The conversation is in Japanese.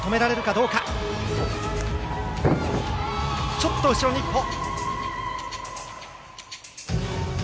ちょっと後ろに１歩。